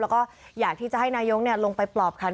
แล้วก็อยากที่จะให้นายกลงไปปลอบคัน